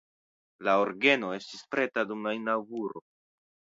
La orgeno estis preta dum la inaŭguro.